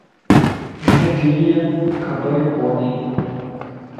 ھن ٽي ويئم خبريون ڪونين.